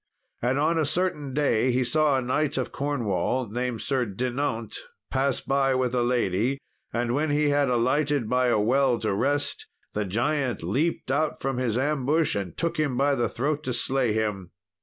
And on a certain day he saw a knight of Cornwall, named Sir Dinaunt, pass by with a lady, and when he had alighted by a well to rest, the giant leaped out from his ambush, and took him by the throat to slay him.